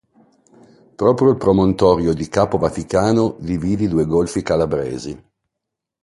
Proprio il promontorio di Capo Vaticano divide i due golfi calabresi.